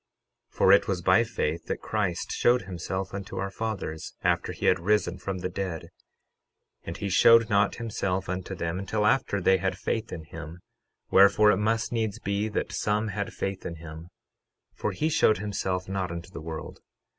12:7 For it was by faith that Christ showed himself unto our fathers, after he had risen from the dead; and he showed not himself unto them until after they had faith in him; wherefore, it must needs be that some had faith in him, for he showed himself not unto the world.